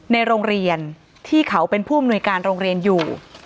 ในโรงเรียนที่เขาเป็นผู้อำนวยการโรงเรียนอยู่